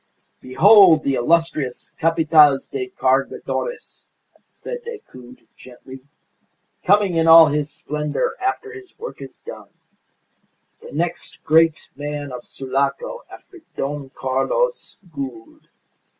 "Behold the illustrious Capataz de Cargadores," said Decoud, gently, "coming in all his splendour after his work is done. The next great man of Sulaco after Don Carlos Gould.